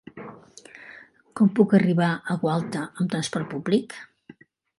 Com puc arribar a Gualta amb trasport públic?